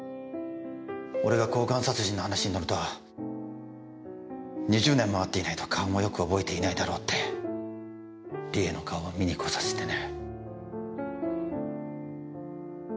俺が交換殺人の話に乗ると２０年も会っていないと顔もよく覚えていないだろうって梨絵の顔を見に来させてね。